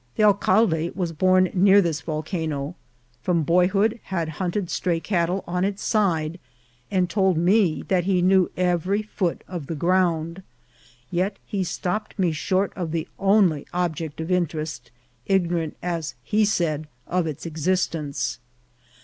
The alcalde was born near this volcano ; from boyhood had hunted stray cattle on its side, and told me that he knew every foot of the ground ; yet he stopped me short of the only object of interest, ignorant, as he said, of its existence.